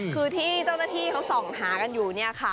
คือที่เจ้าหน้าที่เขาส่องหากันอยู่เนี่ยค่ะ